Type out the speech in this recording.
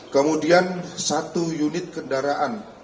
kemudian satu unit kendaraan